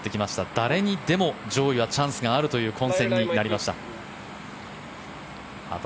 誰にでも上位チャンスがあるという混戦になりました。